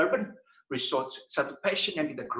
resort urban adalah pasien yang kita tumbuhkan